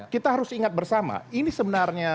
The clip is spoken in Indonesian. kita harus ingat bersama ini sebenarnya